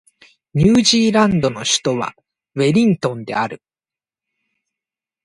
ニュージーランドの首都はウェリントンである